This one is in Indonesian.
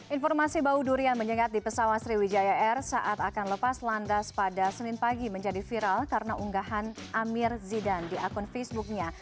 informasi bau durian menyengat di pesawat sriwijaya air saat akan lepas landas pada senin pagi menjadi viral karena unggahan amir zidan di akun facebooknya